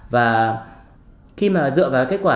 và khi mà dựa vào kết quả